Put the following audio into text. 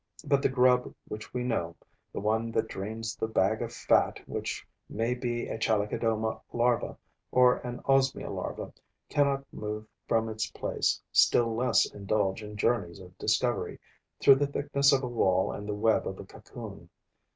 But the grub which we know, the one that drains the bag of fat which may be a Chalicodoma larva or an Osmia larva, cannot move from its place, still less indulge in journeys of discovery through the thickness of a wall and the web of a cocoon.